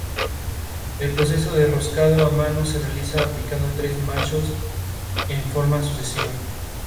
Además, de participar en Pista!, un spin-off de la serie Costa!.